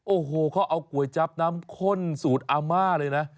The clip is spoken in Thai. โอ้โหเขาเอาก๋วยจั๊บน้ำข้นสูตรอาม่าเลยนะ